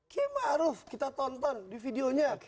kek maruf kita tonton di videonya